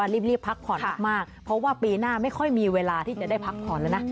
รีบพักผ่อนมากเพราะว่าปีหน้าไม่ค่อยมีเวลาที่จะได้พักผ่อนแล้วนะ